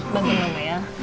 bangun dulu ya